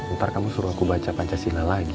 ntar kamu suruh aku baca pancasila lagi